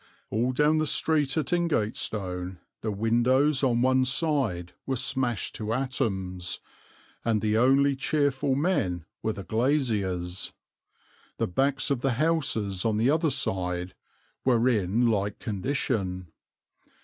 "All down the street at Ingatestone the windows on one side were smashed to atoms, and the only cheerful men were the glaziers. The backs of the houses on the other side were in like condition.